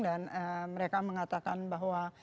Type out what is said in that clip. dan mereka mengatakan bahwa